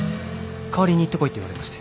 代わりに行ってこいって言われまして。